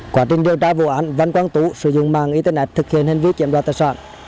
quá trình điều tra vụ án văn quang tú sử dụng mạng internet thực hiện hành vi chiếm đoạt tài sản